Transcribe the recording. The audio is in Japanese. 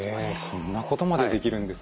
そんなことまでできるんですね。